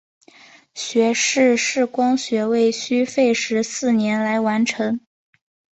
学士视光学位需费时四年来完成。